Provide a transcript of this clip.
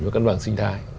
và cân bằng sinh thái